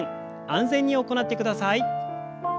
安全に行ってください。